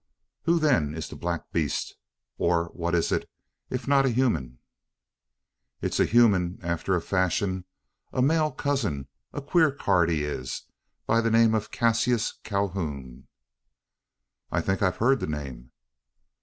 "Who, then, is the black beast, or what is it if not a human?" "It is human, after a fashion. A male cousin a queer card he is by name Cassius Calhoun." "I think I've heard the name."